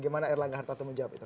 gimana erlangga harta teman jawab itu